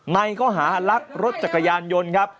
ในข้อหารักรถจักรยานยนต์ครับ